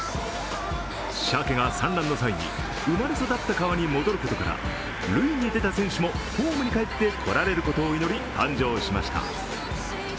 しゃけが産卵の際に生まれ育った川に戻ることから、塁に出た選手もホームに帰ってこられることを祈り誕生しました。